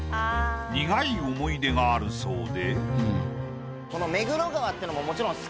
苦い思い出があるそうで。